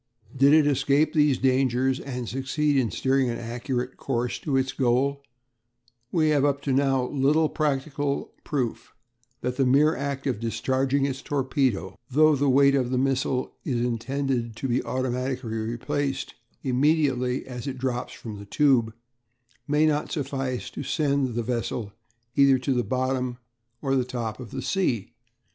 Did it escape these dangers and succeed in steering an accurate course to its goal, we have up to now little practical proof that the mere act of discharging its torpedo though the weight of the missile is intended to be automatically replaced immediately it drops from the tube may not suffice to send the vessel either to bottom or top of the sea.